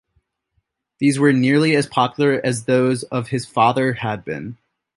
These were nearly as popular as those of his father had been.